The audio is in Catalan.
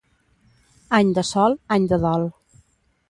Any de sol, any de dol.